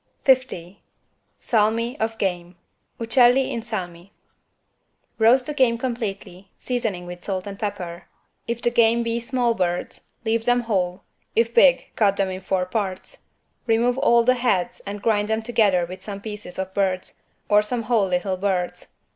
50 SALMI OF GAME (Uccelli in salmi) Roast the game completely, seasoning with salt and pepper. If the game be small birds, leave them whole, if big cut them in four parts. Remove all the heads and grind them together with some pieces of birds, or some whole little birds.